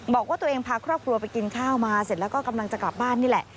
บอกว่าตัวเองพาครอบครัวไปกินข้าวมาเสร็จแล้วก็กำลังจะกลับบ้านนี่แหละ